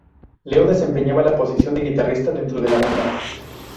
Leo desempeñaba la posición de guitarrista dentro de la banda.